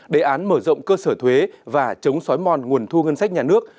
đề án mở rộng cơ sở thuế và chống xói mòn nguồn thu ngân sách nhà nước